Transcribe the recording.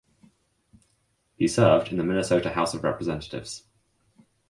He served in the Minnesota House of Representatives.